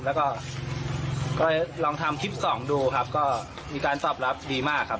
แล้วก็ก็ลองทำคลิปสองดูครับก็มีการตอบรับดีมากครับ